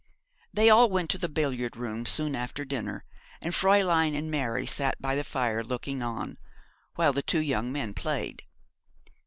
They all went to the billiard room soon after dinner, and Fräulein and Mary sat by the fire looking on, while the two young men played.